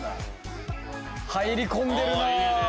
入り込んでるな。